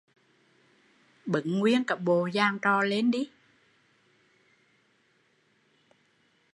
Bứng nguyên cả bộ giàn trò lên